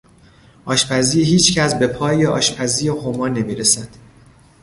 آشپزی هیچ کس به پای آشپزی هما نمیرسد.